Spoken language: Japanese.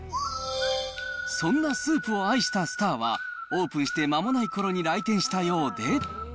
そんなスープを愛したスターは、オープンして間もないころに来店したようで。